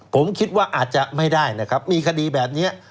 ผมคิดว่าอาจจะไม่ได้นะครับมีคดีแบบนี้